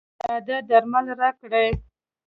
ساده درمل راکړئ.